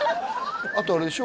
あとあれでしょ？